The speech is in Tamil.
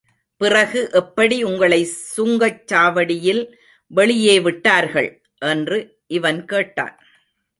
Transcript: பிறகு எப்படி உங்களை சுங்கச் சாவடியில் வெளியே விட்டார்கள்? என்று இவன் கேட்டான்.